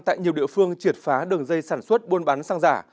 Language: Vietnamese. tại nhiều địa phương triệt phá đường dây sản xuất buôn bán xăng giả